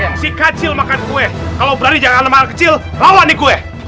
hey si kacil makan kue kalau berani jangan makan kecil lawan nih kue